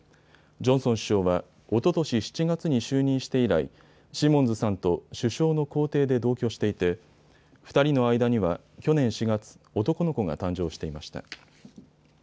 ジョンソン首相はおととし７月に就任して以来、シモンズさんと首相の公邸で同居していて２人の間には去年４月、男の子が誕生していました。